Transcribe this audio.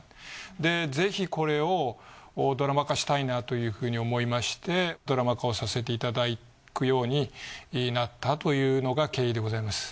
でぜひこれをドラマ化したいなというふうに思いましてドラマ化をさせていただくようになったというのが経緯でございます。